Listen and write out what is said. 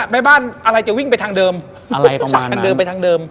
แม่บ้านอะไรจะวิ่งไปทางเดิมปากทางเดิมไปทางเดิม